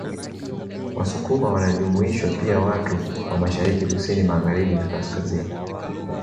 Wasukuma wanajumuishwa pia watu wa Mashariki kusini Magharibina kaskazini